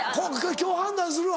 今日判断するわ。